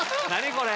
これ。